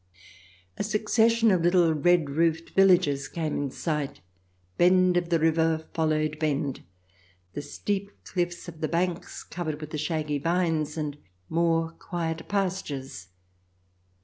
A succession of little red roofed villages came in sight ; bend of the river followed bend ; the steep cliffs of the banks covered with the shaggy vines, and more quiet pastures.